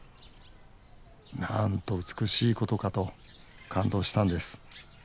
なんと美しいことかと感動したんです。